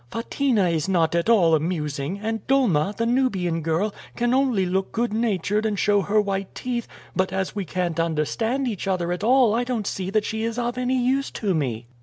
"Fatina is not at all amusing, and Dolma, the Nubian girl, can only look good natured and show her white teeth, but as we can't understand each other at all I don't see that she is of any use to me."